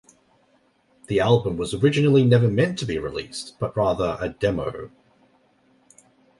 The album was originally never meant to be released, but rather a demo.